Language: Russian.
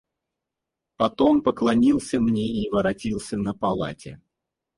Потом поклонился мне и воротился на полати.